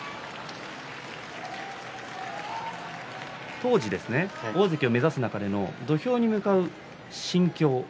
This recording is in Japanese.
当時、大関を目指す中で土俵に向かう心境。